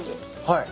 はい。